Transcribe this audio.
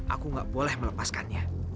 aku gak boleh melepaskannya